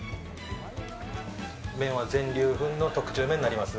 麺は全粒粉の特注麺になります。